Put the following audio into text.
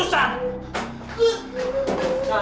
ini sebenarnya adalah keputusan